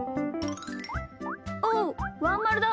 おっワンまるだ。